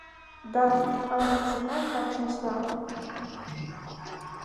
Da, ampak zakaj je kakšna slama?